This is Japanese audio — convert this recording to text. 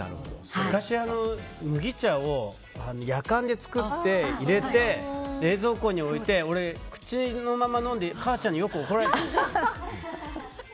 昔、麦茶をやかんで作って入れて冷蔵庫に置いて、口のまま飲んで母ちゃんによく怒られたんですよ。